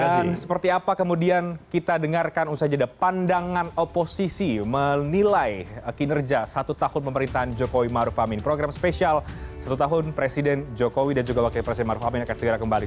dan seperti apa kemudian kita dengarkan usaha jadwal pandangan oposisi menilai kinerja satu tahun pemerintahan jokowi maruf amin program spesial satu tahun presiden jokowi dan juga wakil presiden maruf amin akan segera kembali